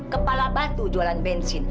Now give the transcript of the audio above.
kepala batu jualan bensin